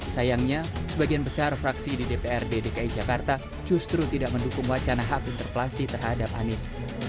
sayangnya sebagian besar fraksi di dprd dki jakarta justru tidak mendukung wacana hak interpelasi terhadap anies